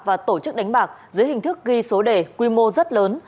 và tổ chức đánh bạc dưới hình thức ghi số đề quy mô rất lớn